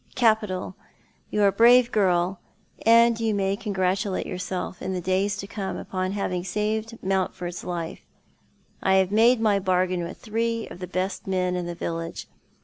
" Capital. You are a brave girl, and you may congratulate yourself in the days to come upon having saved jMountford's life. I have made my bargain with three of the best men in the village.